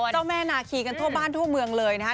เจ้าแม่นาคีกันทั่วบ้านทั่วเมืองเลยนะฮะ